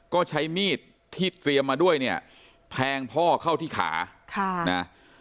ก็ใช้มีดที่เตรียมมาด้วยเนี่ยแทงพ่อเข้าที่ขาค่ะนะ